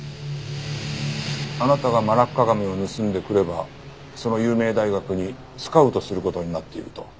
あなたがマラッカガメを盗んでくればその有名大学にスカウトする事になっていると。